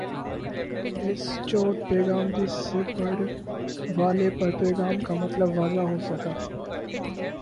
S چھوٹ پیغام جن سے پڑھ والے پر پیغام کا مطلب واضح ہو سکہ